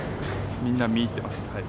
みんな、見入ってます。